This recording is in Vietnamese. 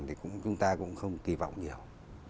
thì chúng ta cũng không kỳ vọng nhiều